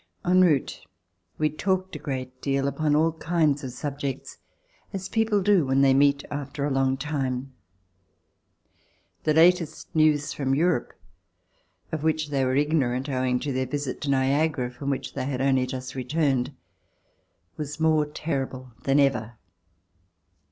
En route we talked a great deal upon all kinds of subjects, as people do when they meet after a long time. The latest news from Europe, of which they were ignorant, owing to their visit to Niagara, from which they had only just returned, was more terrible than ever.